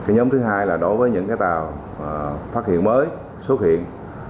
nhóm thứ hai là đối với những tàu phát hiện mới xuất hiện